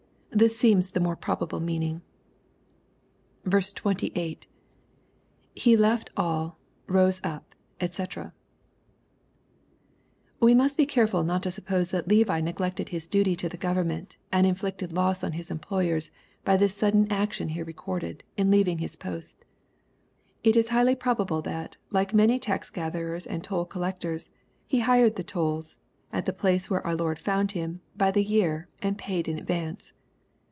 This seenu the mora probable meaning. tS. — [Be left aUy rose up, <fcc] We must be careful not to suppose that Levi neglected his duty to the government, and inflicted loss on his employers, by this sudden action here recorded, in leaving his post It is highly probable that, like many tax gatherers and toll collectors, he hired the tolls, at the place where our Lord found him, by the year, and paid in advance.